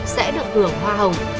sẽ được hưởng hoa hồng